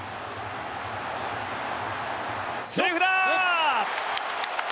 セーフだ！